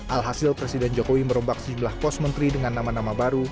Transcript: alhasil presiden jokowi merombak sejumlah pos menteri dengan nama nama baru